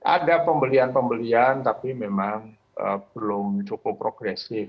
ada pembelian pembelian tapi memang belum cukup progresif